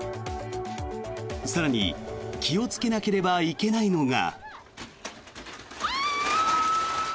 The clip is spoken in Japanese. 更に気をつけなければいけないのが。